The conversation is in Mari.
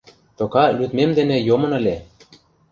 — Тока лӱдмем дене йомын ыле...